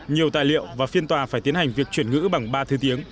nhiều tài liệu và phiên tòa phải tiến hành việc chuyển ngữ bằng ba thứ tiếng